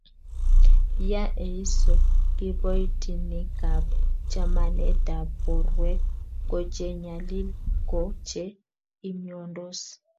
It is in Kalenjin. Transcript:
ya eiso kiboitinikab chamanetab borwek ko che nyalili ko che imyondos